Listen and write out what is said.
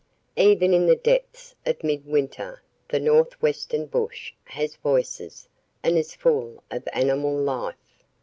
Even in the depths of midwinter the North Western bush has voices and is full of animal life.